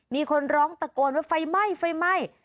มีคนร้องตะโกนว่าไฟไหม้ไฟไหม้